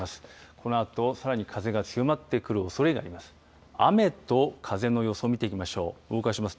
このあとさらに風が強まってくるおそれがあります。